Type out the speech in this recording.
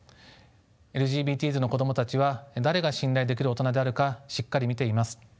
ＬＧＢＴｓの子供たちは誰が信頼できる大人であるかしっかり見ています。